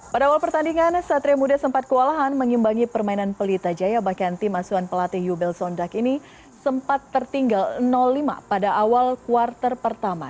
pada awal pertandingan satria muda sempat kewalahan mengimbangi permainan pelita jaya bahkan tim asuhan pelatih yubel sondak ini sempat tertinggal lima pada awal kuartal pertama